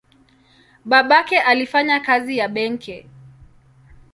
Babake alifanya kazi ya benki.